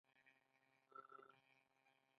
د ګردو ډبرې د کلسیم له امله جوړېږي.